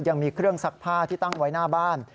ยังมีเครื่องซักผ้าที่ตั้งไว้หน้าบ้าน